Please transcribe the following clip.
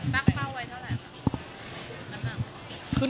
เท่าไหร่